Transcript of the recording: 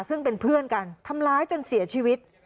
ซึ่งเป็นเพื่อนกันทำร้ายจนเสียชีวิต